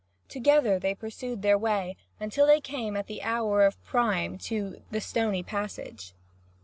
Together they pursued their way until they came at the hour of prime to "the stony passage."